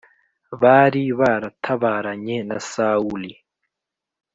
bari baratabaranye na Sawuli.